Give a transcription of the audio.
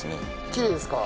きれいですか？